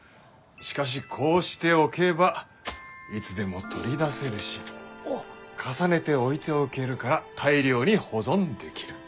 しかしこうしておけばいつでも取り出せるし重ねて置いておけるから大量に保存できる。